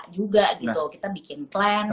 juga gitu kita bikin plan